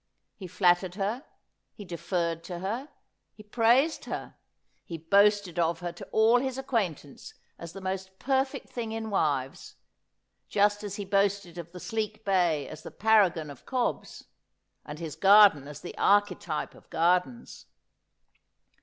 He flattered her, he deferred to her, he praised her, he boasted of her to all his acquaintance as the most perfect thing in wives, just as he boasted of the sleek bay as the paragon of cobs, and his garden as the archetype of gardens.